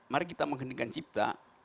mari kita mengheningkan cipta